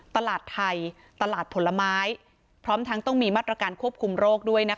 ตลาดไทยตลาดผลไม้พร้อมทั้งต้องมีมาตรการควบคุมโรคด้วยนะคะ